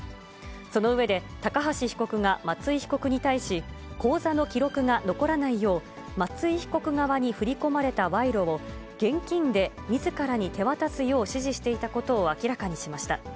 その上で、高橋被告が松井被告に対し、口座の記録が残らないよう、松井被告側に振り込まれた賄賂を、現金でみずからに手渡すよう指示していたことを明らかにしました。